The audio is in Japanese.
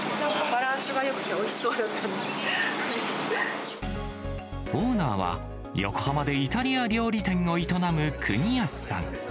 バランスがよくておいしそうオーナーは、横浜でイタリア料理店を営む國安さん。